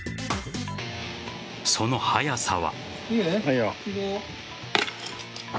その速さは。